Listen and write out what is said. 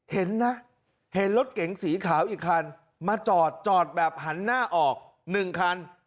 เห็นนะเห็นรถเก๋งสีขาวอีกคันมาจอดจอดแบบหันหน้าออก๑คัน